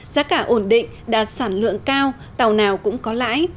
giá cả ổn định đạt sản lượng cao tàu nào cũng có lãi